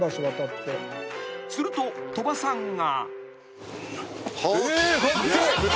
［すると鳥羽さんが］